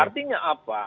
jadi intinya apa